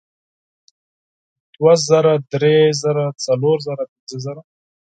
دوه زره درې زره څلور زره پینځه زره